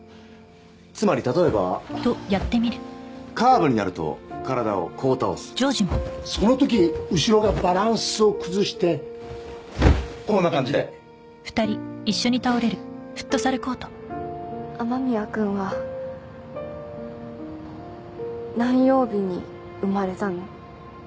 つまり例えばカーブになると体をこう倒すそのとき後ろがバランスを崩してこんな感じで雨宮君は何曜日に生まれたの？